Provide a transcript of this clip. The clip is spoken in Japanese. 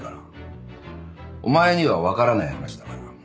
お前には分からない話だから。